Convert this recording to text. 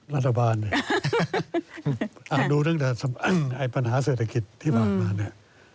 รัฐบาลเนี่ยอ่านดูตั้งแต่ปัญหาเศรษฐกิจที่ผ่านมาเนี่ย